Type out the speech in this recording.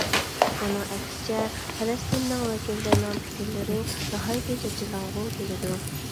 ئۇنىڭ ئەكسىچە، پەلەستىننىڭ ۋەكىللىرىنىڭ پىكىرلىرى ناھايىتى چېچىلاڭغۇ كېلىدۇ.